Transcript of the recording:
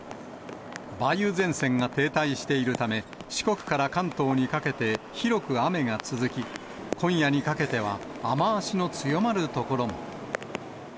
梅雨前線が停滞しているため、四国から関東にかけて、広く雨が続き、今夜にかけては雨足の強まる所も。